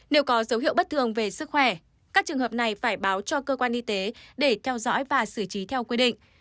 nếu có dấu hiệu bất thường về sức khỏe các trường hợp này phải báo cho cơ quan y tế để theo dõi và xử trí theo quy định